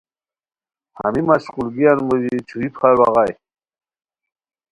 ہمی مشقولگیان موژی چھوئی پھار بغائے